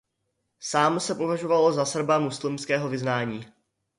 Sám se považoval za Srba muslimského vyznání.